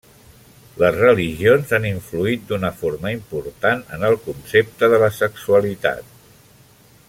Les religions han influït d'una forma important en el concepte de la sexualitat.